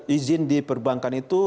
izin di perbankan itu